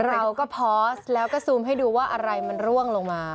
เราก็พอสแล้วก็ซูมให้ดูว่าอะไรมันร่วงลงมา